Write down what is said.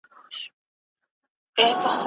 زنده باد ! نارې کړې پورته وزیرانو